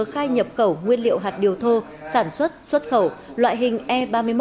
khai nhập khẩu nguyên liệu hạt điều thô sản xuất xuất khẩu loại hình e ba mươi một